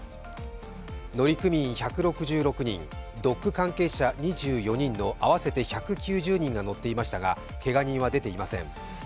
乗組員１６６人、ドック関係者２４人の合わせて１９０人が乗っていましたがけが人は出ていません。